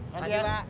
makasih ya pak